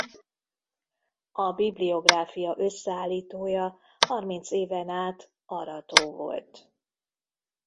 A bibliográfia összeállítója harminc éven át Arató volt.